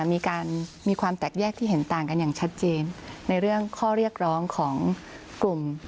มีการมีความแตกแยกที่เห็นต่างกันอย่างชัดเจนในเรื่องข้อเรียกร้องของกลุ่ม